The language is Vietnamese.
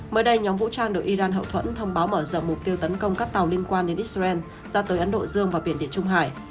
mới đây nhóm vũ trang được iran hậu thuẫn thông báo mở rộng mục tiêu tấn công các tàu liên quan đến israel ra tới ấn độ dương và biển địa trung hải